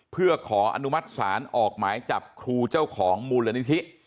เพื่อขออนุมัติศาลออกหมายจับครูเจ้าของมูลนิธิ